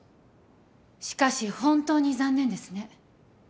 しかし本当に残念ですね。